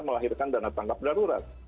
melahirkan dana tanggap darurat